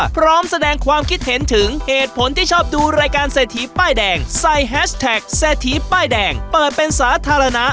พร้อมแสดงความคิดเห็นถึงเหตุผลที่ชอบดูรายการเศรษฐีป้ายแดงใส่แฮชแท็กเศรษฐีป้ายแดงเปิดเป็นสาธารณะ